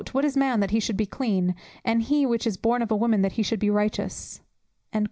"What is man, that he should be clean? and he which is born of a woman, that he should be righteous."